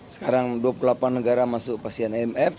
sekarang dua puluh delapan negara masuk pasien imf